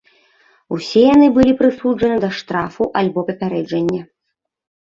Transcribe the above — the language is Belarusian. Усе яны былі прысуджаны да штрафу альбо папярэджання.